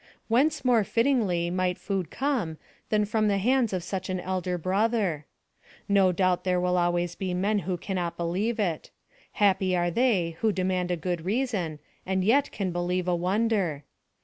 Whence more fittingly might food come than from the hands of such an elder brother? No doubt there will always be men who cannot believe it: happy are they who demand a good reason, and yet can believe a wonder!